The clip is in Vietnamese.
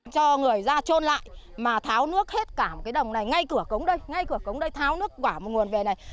cho người ra trôn lại mà tháo nước hết cả một cái đồng này ngay cửa cống đây ngay cửa cống đây tháo nước quả một nguồn về này